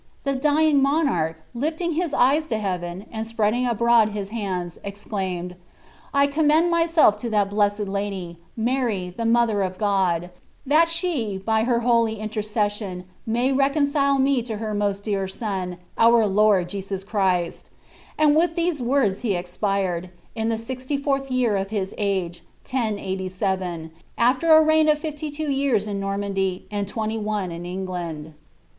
llie dying monarch, lifting his eyes lo heaven, and spreadit^ abroad his hands, exclaimed, ''] commend myself (o that blessed Laity, Mary the mother of God, that she by her holy intercession may recon cile me lo her most dear Son, our Lord Jesus Christ ;" and with ttme words he expired, in the sixty fourth year of his age. 1087, after a leip of fiAy two years in Normandy, and twenty one in England.